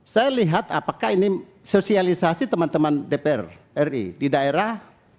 saya lihat apakah ini sosialisasi teman teman dpr ri di daerah